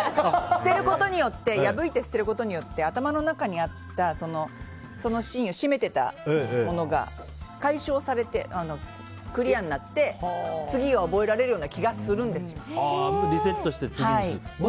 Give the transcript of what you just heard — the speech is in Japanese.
破いて捨てることによって頭の中にあった、そのシーンを占めていたものが解消されて、クリアになって次が覚えられるようなリセットして次に。